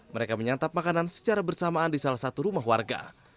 mereka menyantap makanan secara bersamaan di salah satu rumah warga